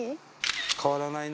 変わらないな。